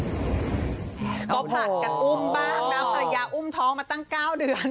ก็ผลัดกันอุ้มบ้างนะภรรยาอุ้มท้องมาตั้ง๙เดือน